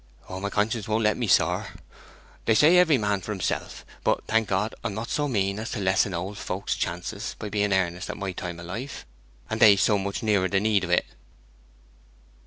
'My conscience won't let me, sir. They say every man for himself: but, thank God, I'm not so mean as to lessen old fokes' chances by being earnest at my time o' life, and they so much nearer the need o't.'